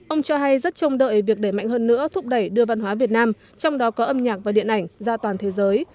ông cho hay rất trông đợi việc để mạnh hơn nữa thúc đẩy đưa văn hóa việt nam trong đó có âm nhạc và điện ảnh ra toàn thế giới